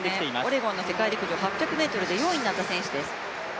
オレゴンの世界陸上８００ｍで４位になった選手です。